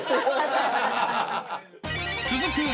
［続く